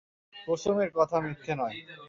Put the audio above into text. কুসুমের কথা মিথ্যে নয়।